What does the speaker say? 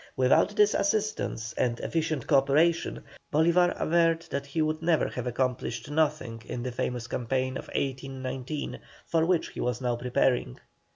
Without this assistance and efficient co operation, Bolívar averred that he would have accomplished nothing in the famous campaign of 1819, for which he was now preparing.